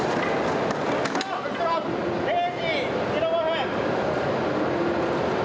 ０時０５分。